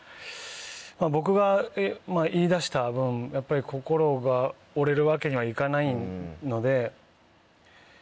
僕が言い出した分やっぱり心が折れるわけにはいかないので。